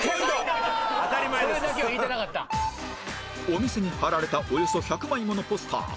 お店に貼られたおよそ１００枚ものポスター